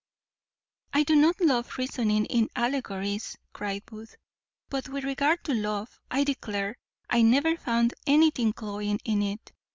"I do not love reasoning in allegories," cries Booth; "but with regard to love, I declare I never found anything cloying in it.